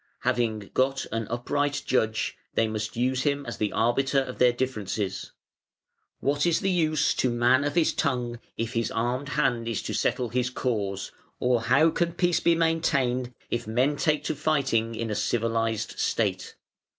Having got an upright judge, they must use him as the arbiter of their differences. What is the use to man of his tongue, if his armed hand is to settle his cause, or how can peace be maintained if men take to fighting in a civilised State?